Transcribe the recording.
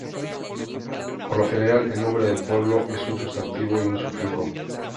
Por lo general, el nombre del pueblo es un sustantivo y un sufijo.